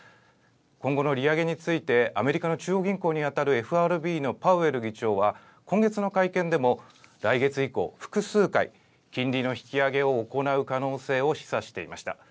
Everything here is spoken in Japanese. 今後の利上げについて、アメリカの中央銀行に当たるＦＲＢのパウエル議長は、今月の会見でも、来月以降、複数回、金利の引き上げを行う可能性を示唆していました。